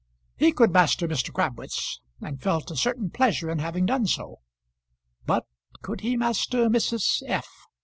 He could master Mr. Crabwitz, and felt a certain pleasure in having done so; but could he master Mrs. F.?